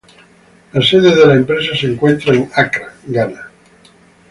La sede de la empresa se encuentra en Accra, Ghana.